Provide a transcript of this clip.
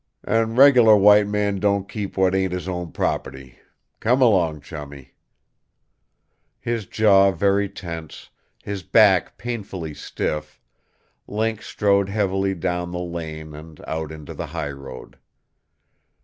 An' a reg'lar white man don't keep what ain't his own prop'ty. Come along, Chummie!" His jaw very tense, his back painfully stiff, Link strode heavily down the lane and out into the highroad.